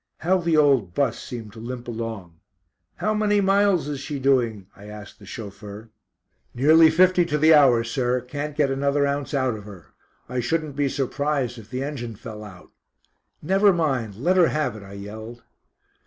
How the old "bus" seemed to limp along. "How many miles is she doing?" I asked the chauffeur. "Nearly fifty to the hour, sir, can't get another ounce out of her. I shouldn't be surprised if the engine fell out." "Never mind, let her have it," I yelled.